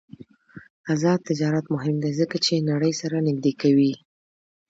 آزاد تجارت مهم دی ځکه چې نړۍ سره نږدې کوي.